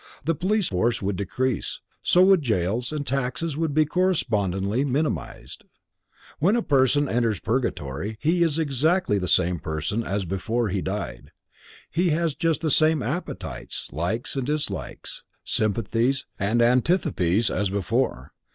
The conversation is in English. The police force would decrease, so would jails and taxes would be correspondingly minimized. When a person enters purgatory he is exactly the same person as before he died. He has just the same appetites, likes and dislikes, sympathies and antipathies, as before.